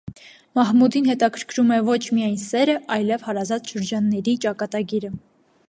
Մահմուդին հետաքրքրում է ոչ միայն սերը, այլև հարազատ շրջանների ճակատագիրը։